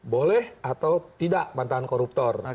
boleh atau tidak mantan koruptor